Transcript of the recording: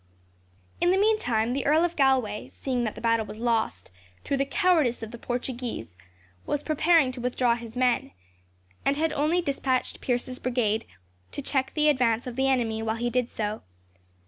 In the meantime the Earl of Galway, seeing that the battle was lost, through the cowardice of the Portuguese, was preparing to withdraw his men, and had only despatched Pierce's brigade to check the advance of the enemy while he did so.